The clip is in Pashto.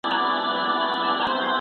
باور او همت ولرئ.